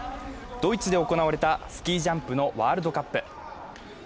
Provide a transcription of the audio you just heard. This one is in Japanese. ドイツで行われたスキージャンプのワールドカップ。